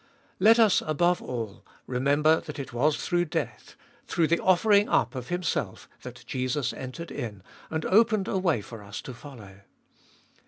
Let us, above all, remember that it was through death, through the offering up of Himself, that Jesus entered in, and opened a way for us to follow.